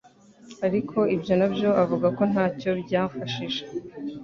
Ariko ibyo nabyo avuga ko ntacyo byafashije.